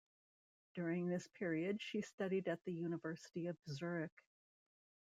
During this period, she studied at the University of Zurich.